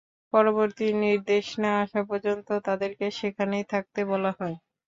পরবর্তী নির্দেশ না আসা পর্যন্ত তাদেরকে সেখানেই থাকতে বলা হয়।